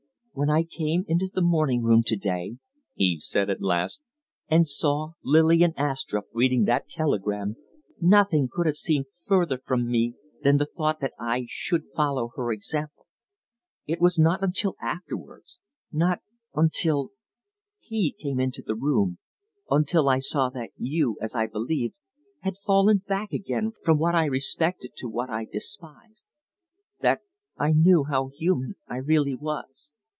"When I came into the morning room to day," Eve said, at last, "and saw Lillian Astrupp reading that telegram, nothing could have seemed further from me than the thought that I should follow her example. It was not until afterwards; not until he came into the room; until I saw that you, as I believed, had fallen back again from what I respected to what I despised that I knew how human I really was.